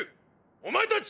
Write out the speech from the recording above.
お前たち！！